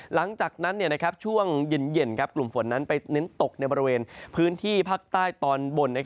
หลังจากนั้นช่วงเย็นกลุ่มฝนนั้นไปเน้นตกในบริเวณพื้นที่ภาคใต้ตอนบน